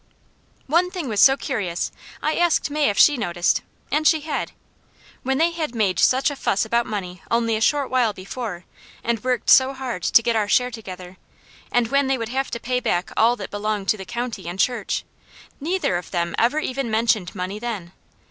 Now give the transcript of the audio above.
One thing was so curious, I asked May if she noticed, and she had. When they had made such a fuss about money only a short while before, and worked so hard to get our share together, and when they would have to pay back all that belonged to the county and church, neither of them ever even mentioned money then.